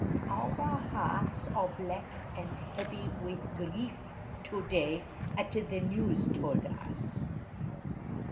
Our hearts are black and heavy with grief to day at the news told us.